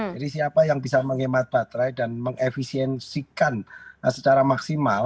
jadi siapa yang bisa menghemat baterai dan mengefisiensikan secara maksimal